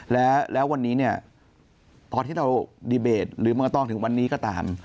แล้ววันนี้เนี่ยตอนที่เราดีเบตหรือเมืองตองถึงวันนี้ก็ตาม